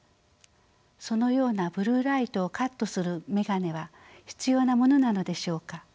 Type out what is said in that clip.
そのようなブル―ライトをカットする眼鏡は必要なものなのでしょうか？